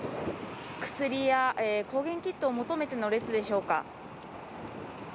薬や抗原キットを求めての列でしょうか。